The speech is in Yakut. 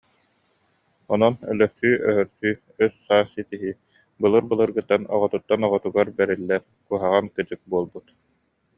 Онон өлөрсүү-өһөрсүү, өс-саас ситиһии былыр-былыргыттан оҕотуттан оҕотугар бэриллэр куһаҕан кыдьык буолбут